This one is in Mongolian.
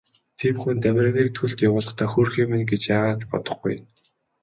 Тийм хүн Дамираныг төлд явуулахдаа хөөрхий минь гэж яагаад ч бодохгүй.